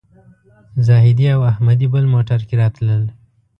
زاهدي او احمدي بل موټر کې راتلل.